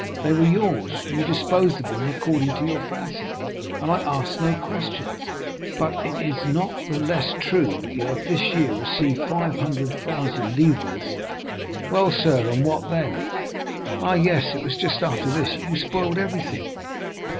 They were yours, you disposed of them according to your fancy, and I asked no questions; but it is not the less true that you have this year received 500,000 livres." "Well, sir, and what then?" "Ah, yes, it was just after this that you spoiled everything."